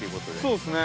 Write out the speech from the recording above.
◆そうですね。